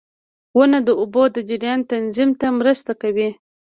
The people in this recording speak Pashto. • ونه د اوبو د جریان تنظیم ته مرسته کوي.